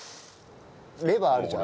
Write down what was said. レバーあるじゃん？